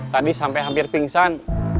tadi sampai hampir pingsan